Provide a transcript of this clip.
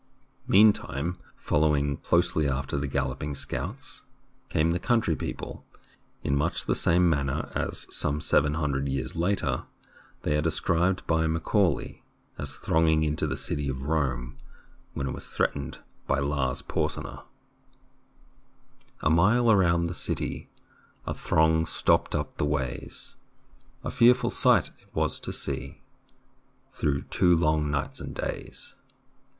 Meantime, following closely after the galloping scouts, came the country people, in much the same manner as, some seven hundred years later, they are described by Macaulay as thronging into the city of Rome when it was threatened by Lars Por senna : A mile around the city A throng stopped up the ways; A fearful sight it was to see Through two long nights and days.